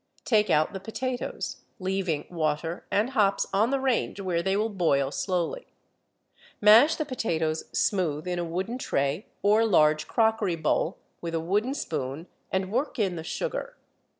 Take out the potatoes, leaving water and hops on the range where they will boil slowly. Mash the potatoes smooth in a wooden tray or large crockery bowl, with a wooden spoon, and work in the sugar.